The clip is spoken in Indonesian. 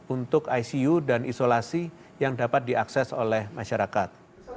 untuk icu dan isolasi yang dapat diakses oleh masyarakat